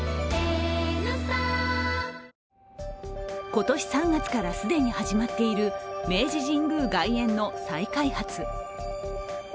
今年３月から既に始まっている明治神宮外苑の再開発。